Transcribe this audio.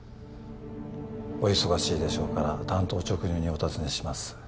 お忙しいでしょうから単刀直入にお尋ねします